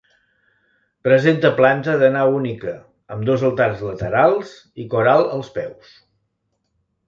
Presenta planta de nau única, amb dos altars laterals i cor alt als peus.